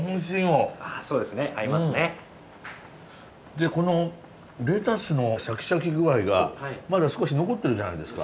でこのレタスのシャキシャキ具合がまだ少し残ってるじゃないですか。